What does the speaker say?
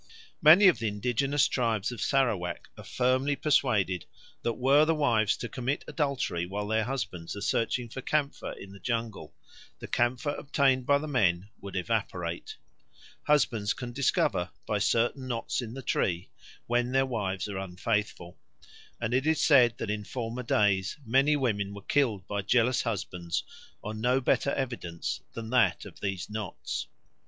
Many of the indigenous tribes of Sarawak are firmly persuaded that were the wives to commit adultery while their husbands are searching for camphor in the jungle, the camphor obtained by the men would evaporate. Husbands can discover, by certain knots in the tree, when the wives are unfaithful; and it is said that in former days many women were killed by jealous husbands on no better evidence than that of these knots.